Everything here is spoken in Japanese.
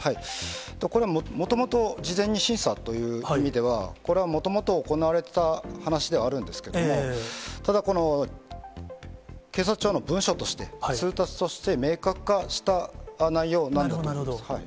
これはもともと事前に審査という意味では、これはもともと行われてた話ではあるんですけども、ただ、警察庁の文書として、通達として明確化した内容なんだと思います。